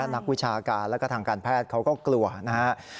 นักวิชาการและกระทั่งการแพทย์เขาก็กลัวนะฮะ